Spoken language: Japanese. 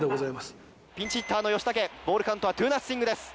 ピンチヒッターのよしたけボールカウントは２ナッシングです。